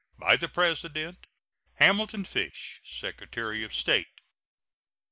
By the President: HAMILTON FISH, Secretary of State.